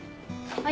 はい。